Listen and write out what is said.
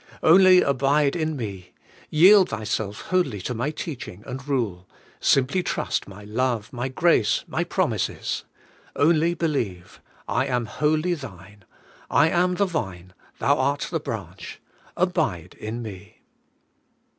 Only abide in me; yield thyself wholly to my teaching and rule; simply trust my love, my grace, my promises. Only believe: I am wholly thine; I am the Vine, thou art the branch. Abide in me.'